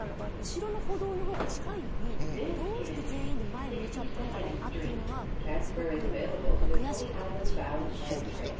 後ろの歩道の方が近いのにどうして全員で前を向いてしまったのかというのはすごく悔しく感じましたね。